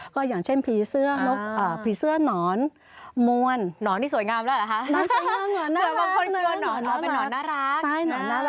ก็อย่างเช่นผีเสื้อหนอนมวล